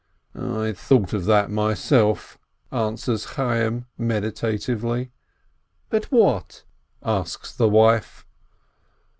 "I had thought of that myself/' answers Chayyim, meditatively. "But what?" asks the wife.